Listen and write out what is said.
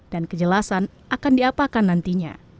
dan kejelasan akan diapakan nanti